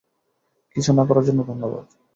কিছু না করার জন্য ধন্যবাদ!